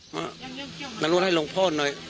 มานำนวดให้ลงพ่อหน่อย